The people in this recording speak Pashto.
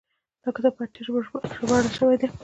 دا کتاب په اتیا ژبو ژباړل شوی دی.